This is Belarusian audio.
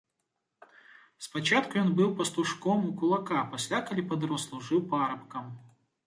Спачатку ён быў пастушком у кулака, пасля, калі падрос, служыў парабкам.